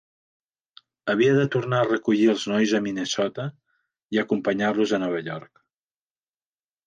Havia de tornar a recollir els nois a Minnesota i acompanyar-los a Nova York.